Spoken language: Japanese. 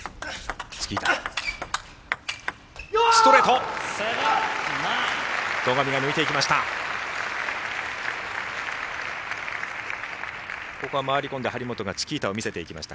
ストレート戸上が抜いていきました。